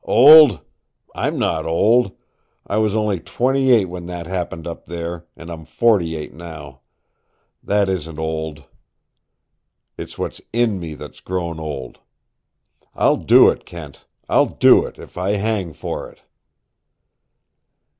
"Old? I'm not old! I was only twenty eight when that happened up there, and I'm forty eight now. That isn't old. It's what is in me that's grown old. I'll do it, Kent! I'll do it, if I hang for it!"